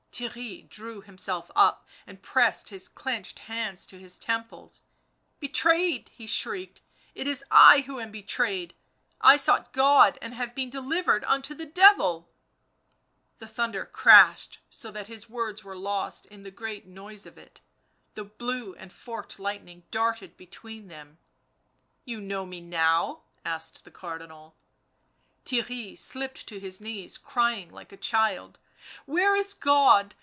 Theirry drew himself up and pressed his clenched hands to his temples. " Betrayed !" he shrieked. u It is I who am betrayed. I sought God, and have been delivered unto the Devil 1" The thunder crashed so that his words were lost in the great noise of it, the blue and forked lightning darted between them. " You know me now ?" asked the Cardinal. Theirry slipped to his knees, crying like a child. "Where is God?